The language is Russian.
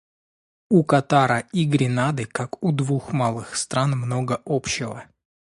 У Катара и Гренады как у двух малых стран много общего.